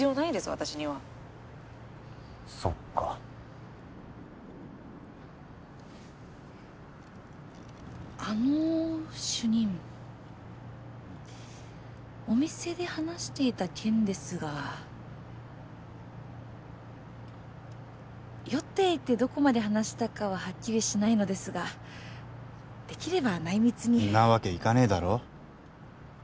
私にはそっかあの主任お店で話していた件ですが酔っていてどこまで話したかははっきりしないのですができれば内密にんなわけいかねえだろ